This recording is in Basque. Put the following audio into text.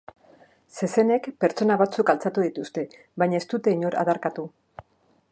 Zezenek pertsona batzuk altxatu dituzte, baina ez dute inor adarkatu.